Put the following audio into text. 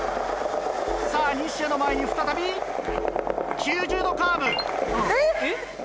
さぁ西矢の前に再び９０度カーブ。